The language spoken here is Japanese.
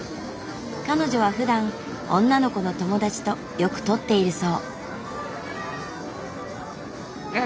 彼女はふだん女の子の友達とよく撮っているそう。